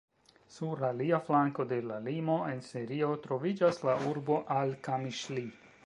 Sur alia flanko de la limo, en Sirio troviĝas la urbo al-Kamiŝli.